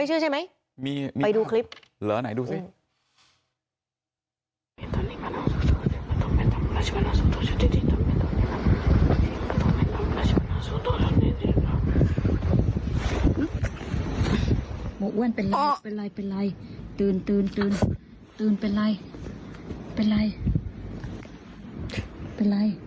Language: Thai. ไปดูคลิป